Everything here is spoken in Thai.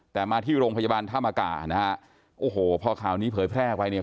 แต่มาที่โรงพยาบาลธรรมกานะฮะโอ้โหพอข่าวนี้เผยแพร่ออกไปเนี่ย